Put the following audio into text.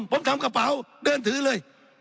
ผมทำกระเป๋าเดินถือเลย